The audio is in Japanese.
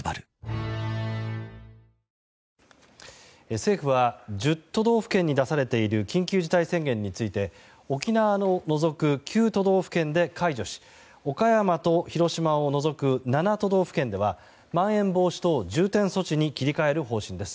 政府は１０都道府県に出されている緊急事態宣言について沖縄を除く９都道府県で解除し岡山と広島を除く７都道府県ではまん延防止等重点措置に切り替える方針です。